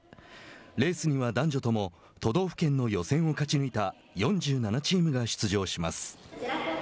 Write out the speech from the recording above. レースには男女とも都道府県の予選を勝ち抜いた４７チームが出場します。